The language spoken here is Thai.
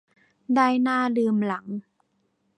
ได้หน้าลืมหลัง